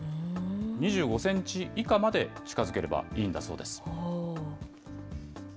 ２５センチ以下まで近づければいいんだそうです。